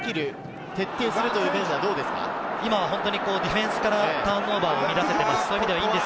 今は本当にディフェンスからターンオーバーを出しています。